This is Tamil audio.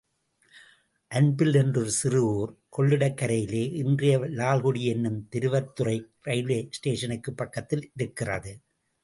அன்பில் என்ற ஒரு சிறு ஊர் கொள்ளிடகரையிலே இன்றைய லால்குடி என்னும் திருத்தவத்துறை ரயில்வே ஸ்டேஷனுக்குப் பக்கத்தில் இருக்கிறது.